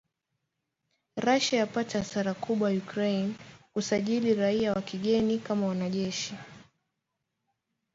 Russia yapata hasara kubwa Ukraine, kusajili raia wa kigeni kama wanajeshi